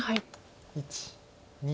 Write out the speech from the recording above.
１２。